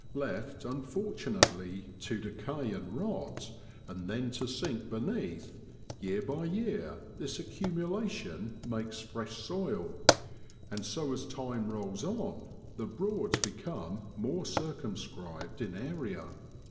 Left, unfortunately, to decay and 38 APRIL IN BROADLANV. rot, and then to sink beneath, year by year this accumulation makes fresh soil, and so as time rolls on the Broads become more circumscribed in area.